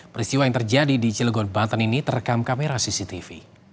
peristiwa yang terjadi di cilegon banten ini terekam kamera cctv